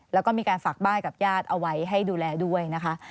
แล้วก็มีการฝากบ้านกับญาติเอาไว้ให้ดูแลด้วยนะคะ